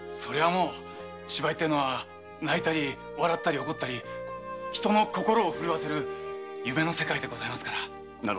もう芝居っていうのは泣いたり笑ったり怒ったり人の心を奮わせる夢の世界でございますから。